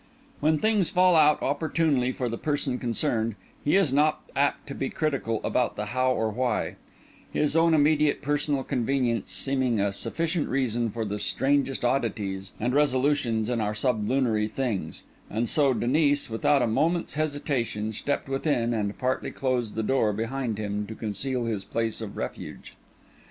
When things fall out opportunely for the person concerned, he is not apt to be critical about the how or why, his own immediate personal convenience seeming a sufficient reason for the strangest oddities and resolutions in our sublunary things; and so Denis, without a moment's hesitation, stepped within and partly closed the door behind him to conceal his place of refuge.